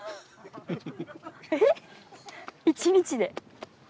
１日で？